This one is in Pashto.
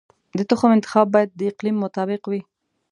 د تخم انتخاب باید د اقلیم مطابق وي.